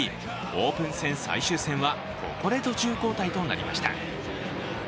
オープン戦最終戦はここで途中交代となりました。